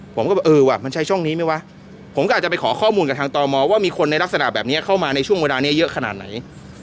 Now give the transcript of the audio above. ผมก็บอกเออว่ะมันใช้ช่องนี้ไหมวะผมก็อาจจะไปขอข้อมูลกับทางตมว่ามีคนในลักษณะแบบนี้เข้ามาในช่วงเวลานี้เยอะขนาดไหน